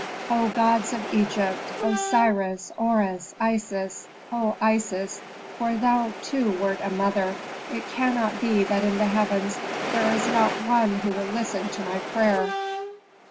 O gods of Egypt, Osiris, Horus, Isis, O Isis, for thou too wert a mother! It cannot be that in the heavens there is not one who will listen to my prayer.